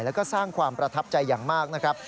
แล้วก็สร้างความประทับใจอย่างมากนะครับ